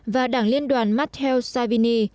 và đảng liên đoàn matteo savini